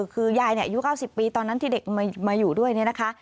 คือยายอายุ๙๐ปีตอนนั้นที่เด็กมาอยู่ด้วยเนี่ยนะคะ